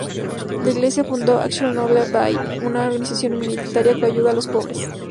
La iglesia fundó Action Nouvelle Vie, una organización humanitaria que ayuda a los pobres.